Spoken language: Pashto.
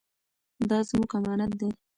دا زموږ امانت دی.